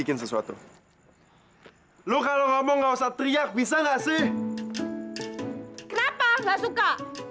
kenapa gak suka